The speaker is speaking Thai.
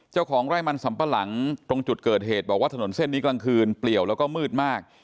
เจ้าของไร่มันสำปะหลังตรงจุดเกิดเหตุบอกว่าถนนเส้นนี้กลางคืนเปลี่ยวแล้วก็มืดมาก